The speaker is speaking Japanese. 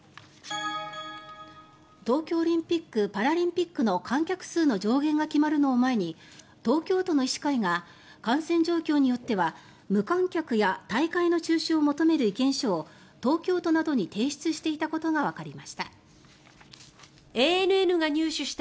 東京オリンピック・パラリンピックの観客数の上限が決まるのを前に東京都の医師会が感染状況によっては、無観客や大会の中止を求める意見書を東京都などに提出していたことがわかりました。